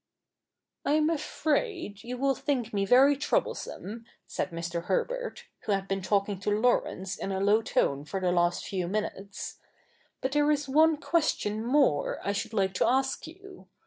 ' I am afraid you will think me very troublesome,' said Mr. Herbert, who had been talking to Laurence in a low tone for the last few minutes, ' but there is one question more I should like to ask you.